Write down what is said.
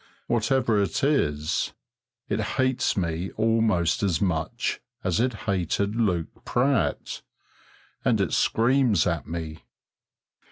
Whatever it is, it hates me almost as much as it hated Luke Pratt, and it screams at me.